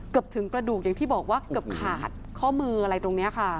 ถึงกระดูกอย่างที่บอกว่าเกือบขาดข้อมืออะไรตรงนี้ค่ะ